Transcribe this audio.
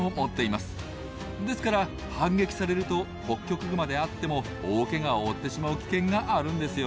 ですから反撃されるとホッキョクグマであっても大ケガを負ってしまう危険があるんですよ。